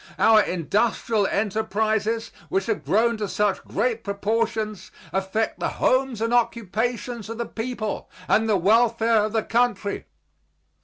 Our industrial enterprises, which have grown to such great proportions, affect the homes and occupations of the people and the welfare of the country.